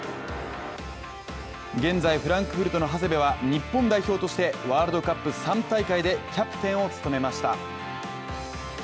現在、フランクフルトの長谷部は日本代表としてワールドカップ３大会でキャプテンを務めました。